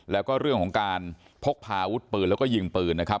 แล้วก็เรื่องของการพกพาอาวุธปืนแล้วก็ยิงปืนนะครับ